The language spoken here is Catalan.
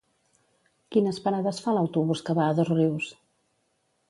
Quines parades fa l'autobús que va a Dosrius?